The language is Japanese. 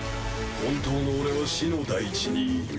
本当の俺は死の大地にいる。